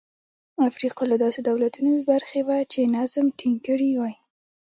افریقا له داسې دولتونو بې برخې وه چې نظم ټینګ کړي وای.